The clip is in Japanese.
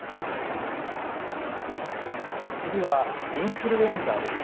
次はインフルエンザです。